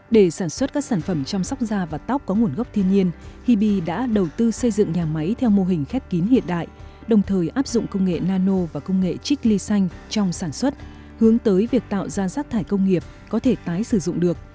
để sản xuất các sản phẩm chăm sóc da và tóc có nguồn gốc thiên nhiên hibi đã đầu tư xây dựng nhà máy theo mô hình khép kín hiện đại đồng thời áp dụng công nghệ nano và công nghệ trích ly xanh trong sản xuất hướng tới việc tạo ra rác thải công nghiệp có thể tái sử dụng được